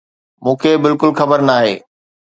مون کي بلڪل خبر ناهي